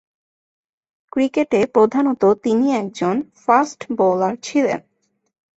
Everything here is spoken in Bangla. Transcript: ক্রিকেটে প্রধানতঃ তিনি একজন ফাস্ট বোলার ছিলেন।